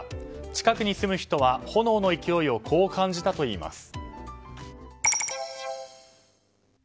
近くに住む人は炎の勢いをこう感じたといいます。